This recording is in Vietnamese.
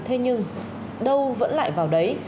thế nhưng đâu vẫn lại vào đấy